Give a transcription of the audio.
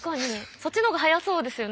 そっちの方が早そうですよね。